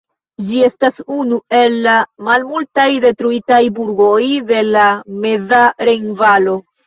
Ĝi estas unu el la malmultaj detruitaj burgoj de la meza rejnvalo.